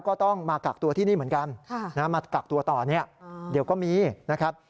ก็ต้องมากักตัวที่นี่เหมือนกันมากักตัวต่อเนี่ยเดี๋ยวก็มีนะครับ